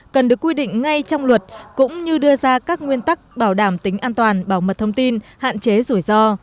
cần được quy định ngay trong luật cũng như đưa ra các nguyên tắc bảo đảm tính an toàn bảo mật thông tin hạn chế rủi ro